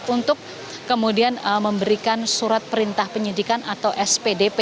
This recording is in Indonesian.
untuk kemudian memberikan surat perintah penyidikan atau spdp